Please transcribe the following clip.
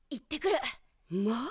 まあ！